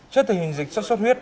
trước thời hình dịch sốt suất huyết